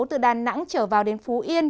từ đà nẵng trở vào đến phú yên